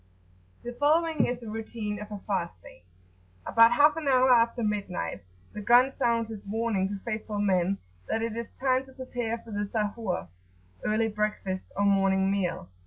The following is the routine of a fast day. About half an hour after midnight, the gun sounds its warning to faithful men that it is time to prepare for the "Sahur," (early breakfast) or morning meal.